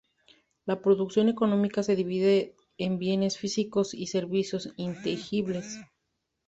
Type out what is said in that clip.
La producción económica se divide en bienes físicos y servicios intangibles.